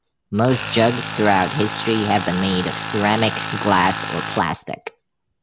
Most jugs throughout history have been made of ceramic, glass or plastic.